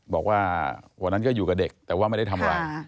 บอกว่าวันนั้นก็อยู่กับเด็กแต่ว่าไม่ได้ทำอะไร